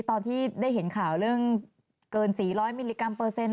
ตอนที่ได้เห็นข่าวเรื่องเกิน๔๐๐มิลลิกรัมเปอร์เซ็นต